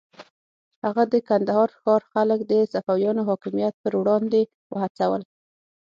هغه د کندهار ښار خلک د صفویانو حاکمیت پر وړاندې وهڅول.